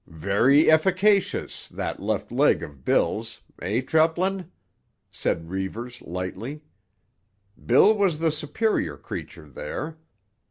"Very efficacious, that left leg of Bill's; eh, Treplin?" said Reivers lightly. "Bill was the superior creature there.